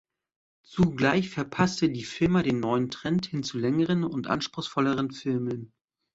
Zugleich verpasste die Firma den neuen Trend hin zu längeren und anspruchsvolleren Filmen.